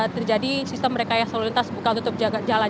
terjadi sistem mereka yang selalu lintas buka tutup jalan